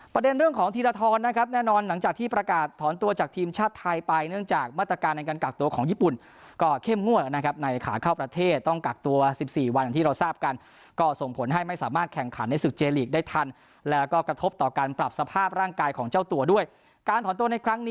ประเด็นเรื่องของธีรทรนะครับแน่นอนหลังจากที่ประกาศถอนตัวจากทีมชาติไทยไปเนื่องจากมาตรการในการกักตัวของญี่ปุ่นก็เข้มงวดนะครับในขาเข้าประเทศต้องกักตัว๑๔วันอย่างที่เราทราบกันก็ส่งผลให้ไม่สามารถแข่งขันในศึกเจลีกได้ทันแล้วก็กระทบต่อการปรับสภาพร่างกายของเจ้าตัวด้วยการถอนตัวในครั้งนี้